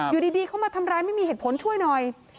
อยู่ดีเข้ามาทำร้ายไม่มีเหตุผลช่วยหน่อย